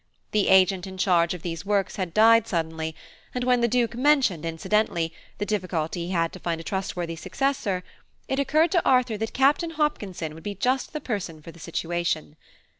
The agent in charge of these works had died suddenly; and when the Duke mentioned, incidentally, the difficulty he had to find a trustworthy successor, it occurred to Arthur that Captain Hopkinson would be just the person for the situation.